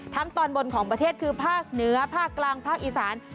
ตอนบนของประเทศคือภาคเหนือภาคกลางภาคอีสาน